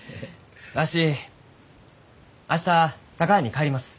わし明日佐川に帰ります。